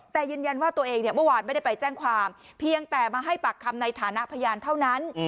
แต่ยืนยันว่าตัวเองเนี่ยเมื่อวานไม่ได้ไปแจ้งความเพียงแต่มาให้ปากคำในฐานะพยานเท่านั้น